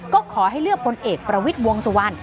ก็ขอให้เลือกพลเอกประวิทย์วงสุวรรณ